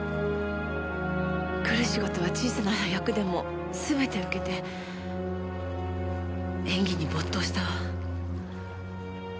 来る仕事は小さな端役でも全て受けて演技に没頭したわ。